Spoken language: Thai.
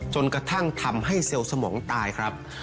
จนกระทั่งทำให้เซลล์สมองตายครับ